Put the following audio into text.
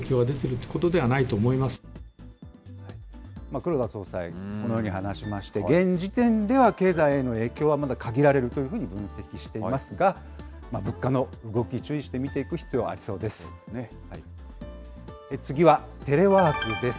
黒田総裁、このように話しまして、現時点では、経済への影響はまだ限られるというふうに分析していますが、物価の動き、注意して見ていく必要がありそうです。